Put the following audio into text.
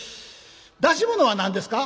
出し物は何ですか？」。